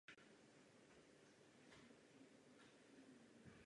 Píseň patří do repertoáru mnohých pěveckých sborů a instrumentálních skupin.